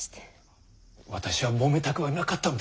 私はもめたくはなかったのでございますが。